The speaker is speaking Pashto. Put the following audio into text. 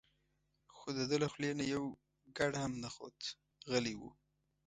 خو دده له خولې نه یو ګړ هم نه خوت غلی و.